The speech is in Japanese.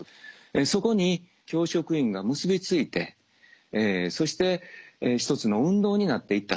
そこに教職員が結び付いてそして一つの運動になっていったと。